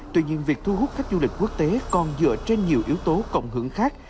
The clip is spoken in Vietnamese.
tuy nhiên việc thu hút khách du lịch quốc tế còn dựa trên nhiều yếu tố cộng hưởng khác